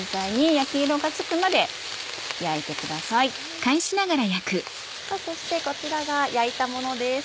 さぁそしてこちらが焼いたものです。